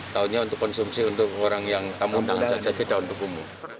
tahunya untuk konsumsi untuk orang yang tamu jadi daun bukumu